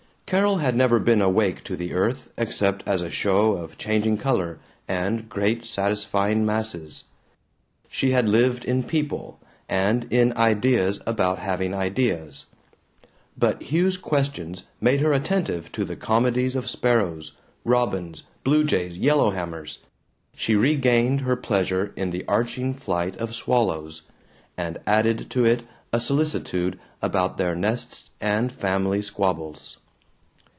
Carol had never been awake to the earth except as a show of changing color and great satisfying masses; she had lived in people and in ideas about having ideas; but Hugh's questions made her attentive to the comedies of sparrows, robins, blue jays, yellowhammers; she regained her pleasure in the arching flight of swallows, and added to it a solicitude about their nests and family squabbles.